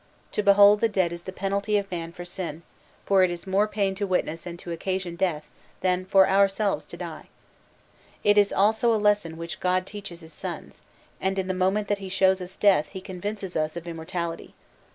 To behold the dead is the penalty of man for sin; for it is more pain to witness and to occasion death, than for ourselves to die. It is also a lesson which God teaches his sons; and in the moment that he shows us death he convinces us of immortality.